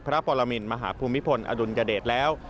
พระปรมินมหาภูมิพลอดุลยเดชแล้ว